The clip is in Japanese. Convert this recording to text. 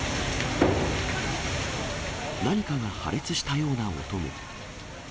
何かが破裂したような音も。